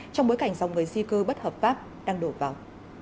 trong bối cảnh dòng người di cư bất hợp pháp đang đổ vào